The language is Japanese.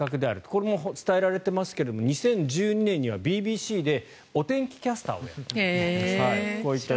これも伝えられていますけど２０１２年にはＢＢＣでお天気キャスターをやった。